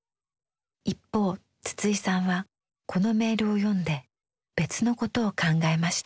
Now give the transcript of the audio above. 一方筒井さんはこのメールを読んで別のことを考えました。